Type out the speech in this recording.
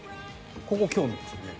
ここ、興味ですよね。